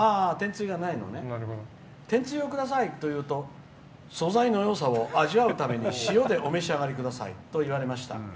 天つゆをくださいと言うと素材のよさを味わうために塩でお召し上がりくださいって言われました。